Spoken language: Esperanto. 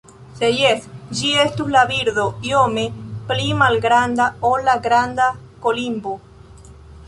Se jes, ĝi estus el birdo iome pli malgranda ol la Granda kolimbo.